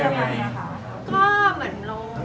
กลับมาเหมือนเดิม